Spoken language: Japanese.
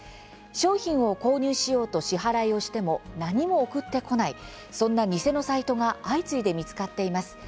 商品を購入しようと支払いをしても何も送ってこないそんな偽のサイトが相次いで見つかっています。